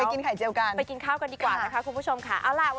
ไปกินข้าวกันดีกว่านะคะคุณผู้ชมค่ะ